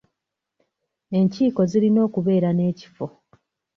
Enkiiko zirina okubeera n'ekifo.